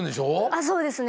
あそうですね。